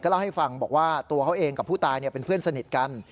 เล่าให้ฟังบอกว่าตัวเขาเองกับผู้ตายเป็นเพื่อนสนิทกัน